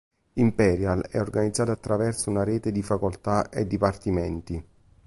Imperial è organizzato attraverso una rete di facoltà e dipartimenti.